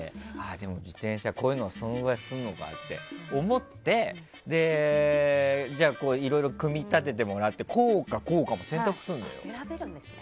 でも自転車こういうのはそのぐらいするのかと思っていろいろ組み立ててもらってこうか、こうかも選択するのよ。